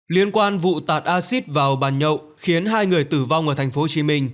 liên quan vụ tạt acid vào bàn nhậu khiến hai người tử vong ở tp hcm